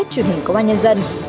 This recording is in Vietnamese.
truyền hình công an nhân dân